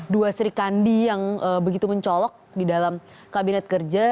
dua sri kandi yang begitu mencolok di dalam kabinetnya